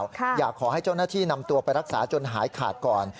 อยากให้เจ้าหน้าที่นำตัวไปรักษาจนหายขาดก่อน